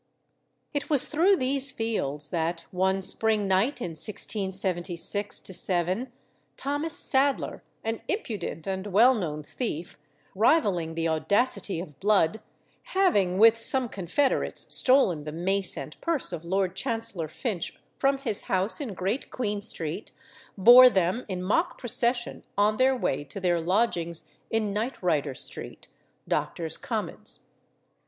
It was through these fields that, one spring night in 1676 7, Thomas Sadler, an impudent and well known thief, rivalling the audacity of Blood, having with some confederates stolen the mace and purse of Lord Chancellor Finch from his house in Great Queen Street, bore them in mock procession on their way to their lodgings in Knightrider Street, Doctors' Commons.